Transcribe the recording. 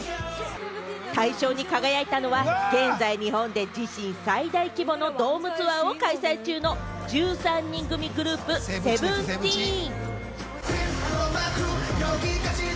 大賞に輝いたのは、現在、日本で自身最大規模のドームツアーを開催中の１３人グループ・ＳＥＶＥＮＴＥＥＮ。